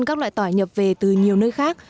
các loại tỏi nhập về từ nhiều nơi khác